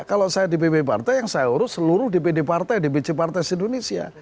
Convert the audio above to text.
kalau saya dpp partai yang saya urus seluruh dpd partai dpc partai se indonesia